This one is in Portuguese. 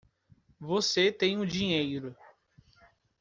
Você tem o dinheiro.